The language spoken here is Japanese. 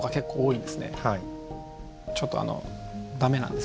ちょっとあの駄目なんです。